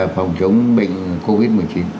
phòng chống bệnh covid một mươi chín